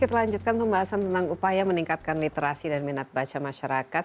kita lanjutkan pembahasan tentang upaya meningkatkan literasi dan minat baca masyarakat